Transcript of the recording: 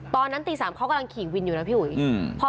ตอนนั้นตีสามเขากำลังขี่วินอยู่นะพี่หุยอืม